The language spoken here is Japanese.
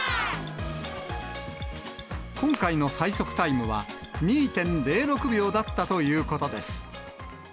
今回の最速タイムは２．０６秒だったということです。